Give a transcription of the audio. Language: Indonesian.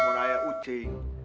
nah berarti mulai ucing